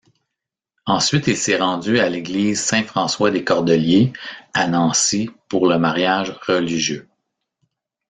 Ensuite il s'est rendu à l'église Saint-François-des-Cordeliers à Nancy pour le mariage religieux.